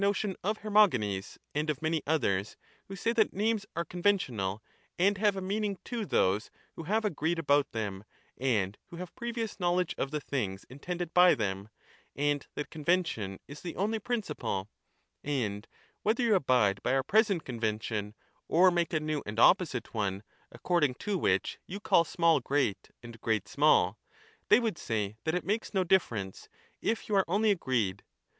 notion of Her mogenes and of many others, who say that names are conventional, and have a meaning to those who have agreed about them, and who have previous knowledge of the things intended by them, and that convention is the only principle ; and whether you abide by our present convention, or make a new and opposite one, according to which you call small great and great small, — they would say that it makes no Recapitulation of the argument. 38i Which of these two Cratylus. Socrates, Cratvlus.